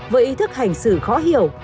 với ý thức hành xử khó hiểu